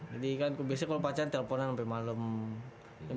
jadi kan biasanya kalau pacaran telponan sampai malem